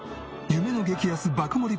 夢の激安爆盛り